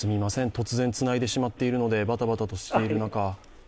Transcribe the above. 突然つないでしまっているのでバタバタとしている中。